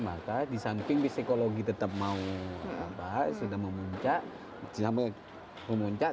maka disamping psikologi tetap mau sudah memuncak